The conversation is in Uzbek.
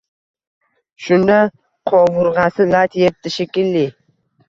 Shunda qovurg‘asi lat yebdi, shekilli